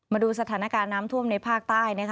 มาดูสถานการณ์น้ำท่วมในภาคใต้